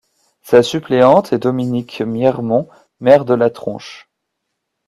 Sa suppléante est Dominique Miermont, maire de Latronche.